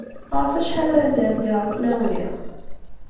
Ɣef wacḥal ara d-ɛeddiɣ ad ken-awiɣ?